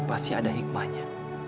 pasti ada hikmahnya